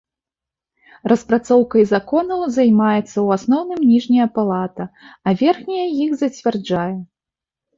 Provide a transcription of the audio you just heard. Распрацоўкай законаў займаецца ў асноўным ніжняя палата, а верхняя іх зацвярджае.